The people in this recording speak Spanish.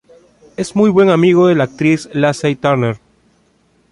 Es muy buen amigo de la actriz Lacey Turner.